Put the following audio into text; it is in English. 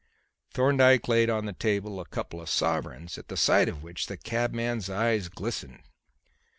Thorndyke laid on the table a couple of sovereigns, at the sight of which the cabman's eyes glistened.